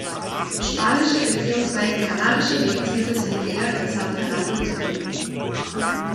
Spanische beziehungsweise kanarische Lebensmittel sind eher in San Fernando zu finden.